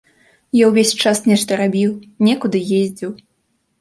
Я ўвесь час нешта рабіў, некуды ездзіў.